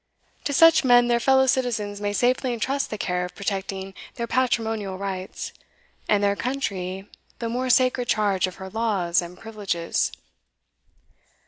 To such men their fellow citizens may safely entrust the care of protecting their patrimonial rights, and their country the more sacred charge of her laws and privileges."